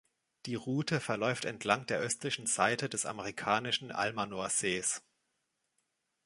Die Route verläuft entlang der östlichen Seite des amerikanischen Almanor-Sees.